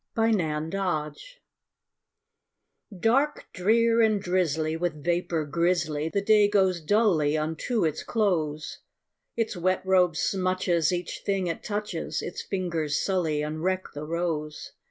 A WET DAY Dark, drear, and drizzly, with vapor grizzly, The day goes dully unto its close; Its wet robe smutches each thing it touches, Its fingers sully and wreck the rose.